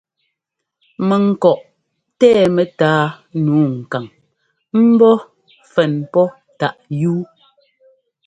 Mɛŋkɔꞌ tɛɛ mɛtáa nǔu kaŋ ḿbɔ́ fɛn pɔ́ táꞌ yúu.